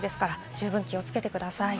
十分気をつけてください。